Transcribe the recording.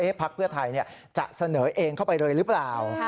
เอ๊ะภาคเพื่อไทยเนี่ยจะเสนอเองเข้าไปเลยหรือเปล่า